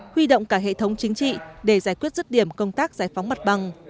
huy động cả hệ thống chính trị để giải quyết rứt điểm công tác giải phóng mặt bằng